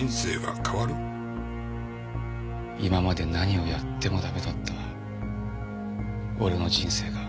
今まで何をやってもダメだった俺の人生が。